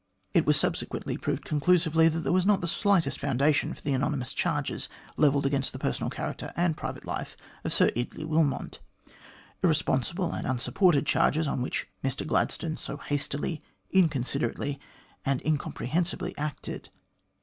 It was subsequently proved conclusively that there, was not the slightest founda tion for the anonymous charges levelled against the personal character and private life of Sir Eardley Wilmot irresponsible and unsupported charges on which Mr Gladstone so hastily, inconsiderately, and incomprehensibly acted.